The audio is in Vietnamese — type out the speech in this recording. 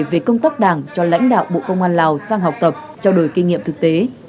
về công tác đảng cho lãnh đạo bộ công an lào sang học tập trao đổi kinh nghiệm thực tế